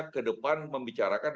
ke depan membicarakan